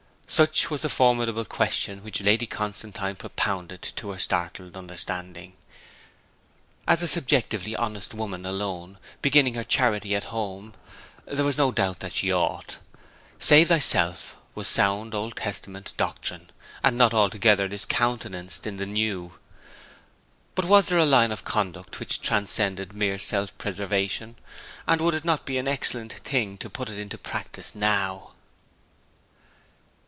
such was the formidable question which Lady Constantine propounded to her startled understanding. As a subjectively honest woman alone, beginning her charity at home, there was no doubt that she ought. Save Thyself was sound Old Testament doctrine, and not altogether discountenanced in the New. But was there a line of conduct which transcended mere self preservation? and would it not be an excellent thing to put it in practice now?